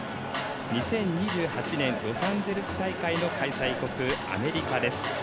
２０２８年ロサンゼルス大会の開催国、アメリカです。